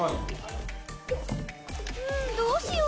うんどうしよう！